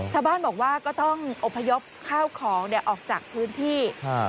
ชาวบ้านบอกว่าก็ต้องอบพยพข้าวของเนี่ยออกจากพื้นที่